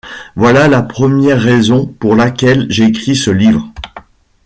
Voilà la première raison pour laquelle j'écris ce livre.